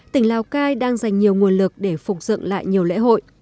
tỉnh lào cai đang dành nhiều nguồn lực để phục dựng lại nhiều lễ hội